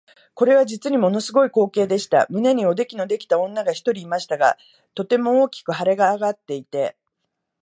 これは実にもの凄い光景でした。胸におできのできた女が一人いましたが、とても大きく脹れ上っていて、